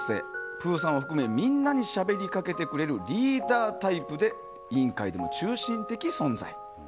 ぷぅさんを含めみんなにしゃべりかけてくれるリーダータイプで委員会でも中心的存在。